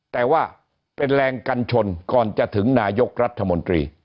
แต่ว่าเป็นแรงกันชนก่อนจะถึงนายกรัฐมนตรี